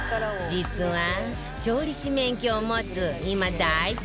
実は調理師免許を持つ今大注目の女優